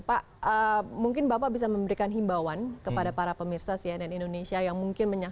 pak mungkin bapak bisa memberikan himbauan kepada para pemirsa cnn indonesia yang masih menunggu